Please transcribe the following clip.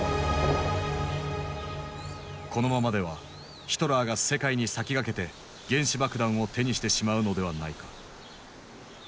このままではヒトラーが世界に先駆けて原子爆弾を手にしてしまうのではないか。